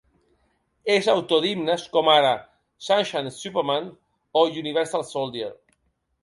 És autor d’himnes com ara ‘Sunshine Superman’ o ‘Universal Soldier’.